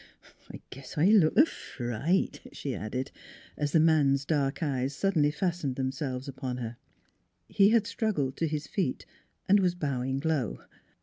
" I guess I look like a fright," she added, as the man's dark eyes suddenly fas tened themselves upon her. He had struggled to his feet, and was bowing low.